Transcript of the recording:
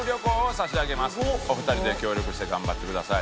お二人で協力して頑張ってください。